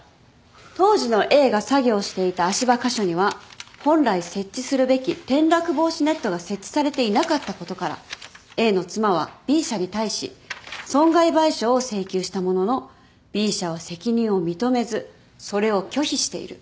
当時のＡが作業していた足場箇所には本来設置するべき転落防止ネットが設置されていなかったことからＡの妻はＢ社に対し損害賠償を請求したもののＢ社は責任を認めずそれを拒否している。